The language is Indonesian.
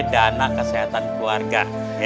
dana kesehatan keluarga